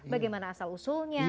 bagaimana asal usulnya